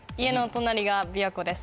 隣が琵琶湖です